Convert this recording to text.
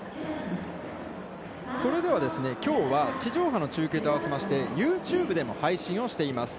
それではきょうは、地上波の中継とあわせまして、ユーチューブでも配信をしています